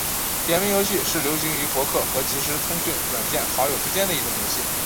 点名游戏是流行于博客和即时通讯软件好友之间的一种游戏。